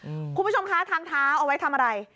คุณผู้ชมคะทางเท้าเอาไว้ทำอะไร